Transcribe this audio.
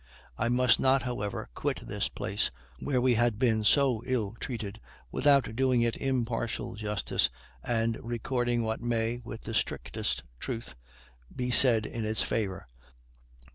I must not, however, quit this place, where we had been so ill treated, without doing it impartial justice, and recording what may, with the strictest truth, be said in its favor.